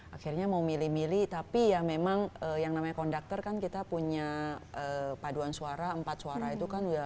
akhirnya mau milih milih tapi ya memang yang namanya konduktor kan kita punya paduan suara empat suara itu kan